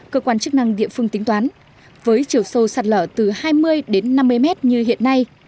cơ quan chức năng địa phương tính toán với chiều sâu sạt lở từ hai mươi đến năm mươi mét như hiện nay